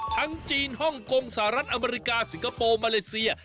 จีนฮ่องกงสหรัฐอเมริกาสิงคโปร์มาเลเซีย